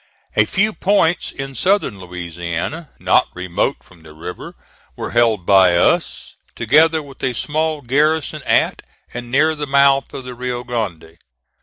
A few points in Southern Louisiana, not remote from the river, were held by us, together with a small garrison at and near the mouth of the Rio Grande.